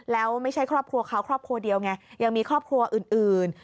แล้วไม่ใช่ครอบครัวเขาครอบครัวเดียวไงยังมีครอบครัวอื่น